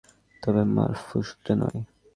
তবে মারফু সূত্রে নয়।